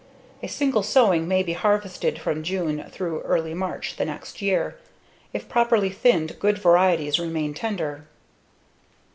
A single sowing may be harvested from June through early March the next year. If properly thinned, good varieties remain tender.